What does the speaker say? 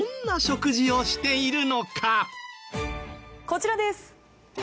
こちらです。